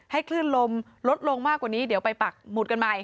คลื่นลมลดลงมากกว่านี้เดี๋ยวไปปักหมุดกันใหม่